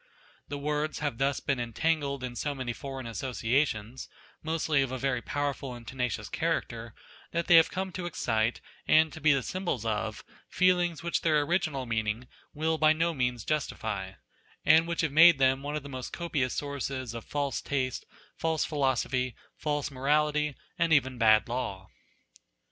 The words have thus become entangled in so many foreign associations, mostly of a very powerful and tenacious character, that they have come to excite, and to be the symbols of, feelings which their original meaning will by no means justify; and which have made them one of the most copious sources of false taste, false philosophy, false morality, and even bad law.